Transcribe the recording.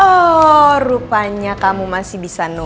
oh rupanya kamu masih bisa